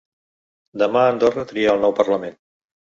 Demà Andorra tria el nou parlament.